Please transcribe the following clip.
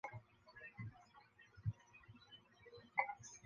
是大雪山主要的观光景点。